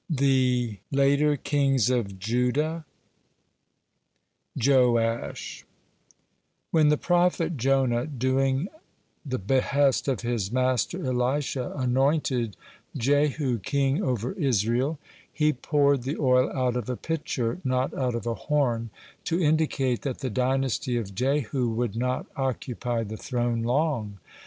THE LATER KINGS OF JUDAH JOASH When the prophet Jonah, doing the behest of his master Elisha, anointed Jehu king over Israel, (1) he poured the oil out of a pitcher, not out of a horn, to indicate that the dynasty of Jehu would not occupy the throne long.